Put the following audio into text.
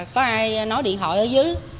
có ai nói điện thoại ở dưới